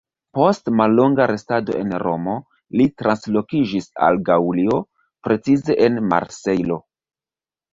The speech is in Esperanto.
Post mallonga restado en Romo, li translokiĝis al Gaŭlio, precize en Marsejlo.